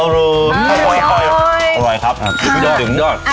อ๋ออร่อยอร่อยครับอร่อยครับอร่อยอร่อยอร่อยอร่อยครับอร่อยครับ